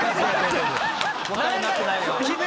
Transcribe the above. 答えになってないよ。